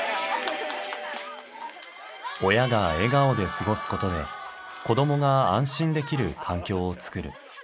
親が笑顔で過ごすことで子どもが安心できる環境をつくる。